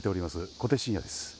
小手伸也です。